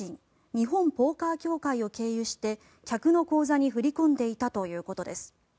日本ポーカー協会を経由して客の口座に振り込んでいたということです。